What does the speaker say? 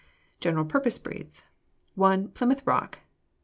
General Purpose Breeds 1. Plymouth Rock.